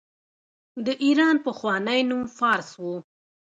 د ایران پخوانی نوم فارس و.